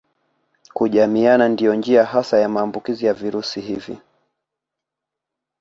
Kujamiiana ndiyo njia hasa ya maambukizi ya virusi hivi